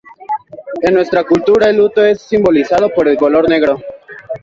En nuestra cultura, el luto es simbolizado por el color negro.